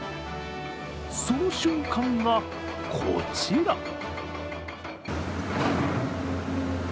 その瞬間がこちら。